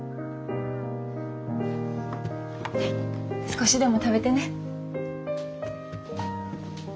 少しでも食べてね。